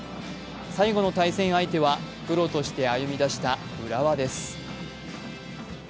最後の対戦相手はプロとして歩み出した浦和です。